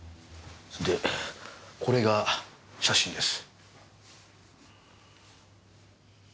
でこれが写真です。